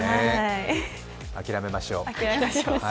諦めましょう。